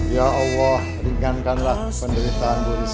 ya allah ringankanlah penderitaan